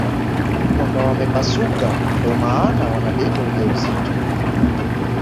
Kwamba wamepasuka ndo maana wanabeba ujauzito